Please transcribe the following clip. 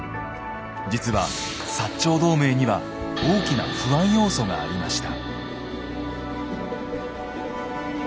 実は長同盟には大きな不安要素がありました。